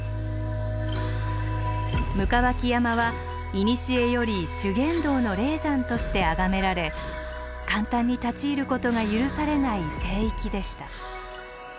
行縢山は古より修験道の霊山としてあがめられ簡単に立ち入ることが許されない聖域でした。